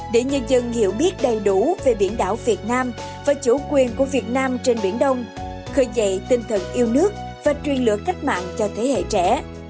để nhân dân hiểu biết đầy đủ về biển đảo việt nam và chủ quyền của việt nam trên biển đông khởi dậy tinh thần yêu nước và truyền lửa cách mạng cho thế hệ trẻ